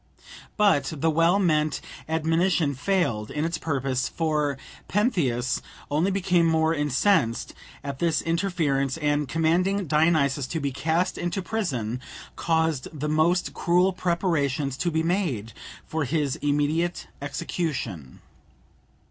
But the well meant admonition failed in its purpose, for Pentheus only became more incensed at this interference, and, commanding Dionysus to be cast into prison, caused the most cruel preparations to be made for his immediate execution.